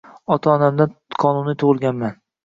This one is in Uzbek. Ota-onamdan qonuniy tugʻilganman.